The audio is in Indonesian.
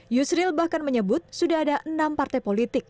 yusril bahkan menyebut sudah ada enam partai politik